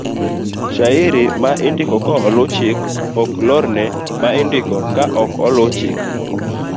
Shairi ma indiko ka luwo chik ok lorne ma indiko ka okolu chik.